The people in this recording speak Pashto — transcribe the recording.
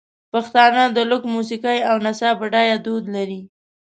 پښتانه د لوک موسیقۍ او نڅا بډایه دود لري.